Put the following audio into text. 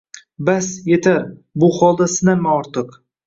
Bas, yetar, bu holda sinama ortiq